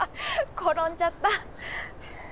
転んじゃった。